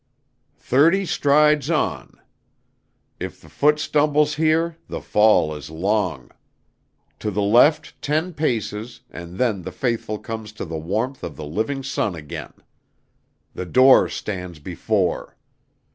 "Thirty strides on. If the foot stumbles here, the fall is long. To the left ten paces, and then the faithful come to the warmth of the living sun again. The door stands before.